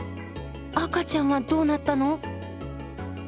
赤ちゃんはどうなったの？